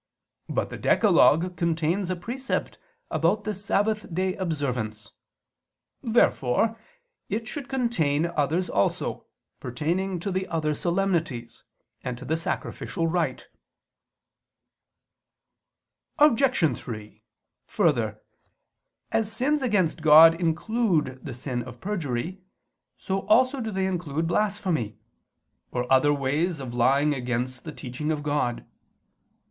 But the decalogue contains a precept about the Sabbath day observance. Therefore it should contain others also, pertaining to the other solemnities, and to the sacrificial rite. Obj. 3: Further, as sins against God include the sin of perjury, so also do they include blasphemy, or other ways of lying against the teaching of God.